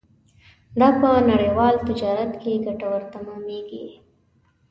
دا په نړیوال تجارت کې ګټور تمامېږي.